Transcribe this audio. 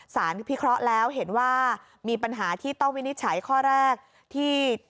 พิเคราะห์แล้วเห็นว่ามีปัญหาที่ต้องวินิจฉัยข้อแรกที่